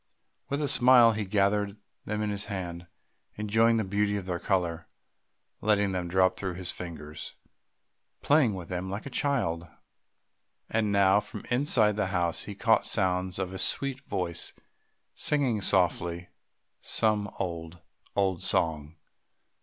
With a smile he gathered them in his hand, enjoying the beauty of their colour, letting them drop through his fingers, playing with them like a child. And now from inside the house he caught sounds of a sweet voice singing softly some old, old song.